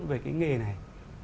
về cái nghề này